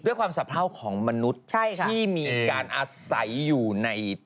ด้วยความสะเภาของมนุษย์ที่มีการอาศัยอยู่ในเมือง